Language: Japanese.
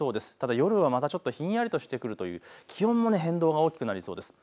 夜はまたちょっとひんやりとしてくるという気温も変動が大きくなりそうです。